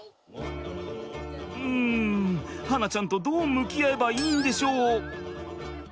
うん巴梛ちゃんとどう向き合えばいいんでしょう？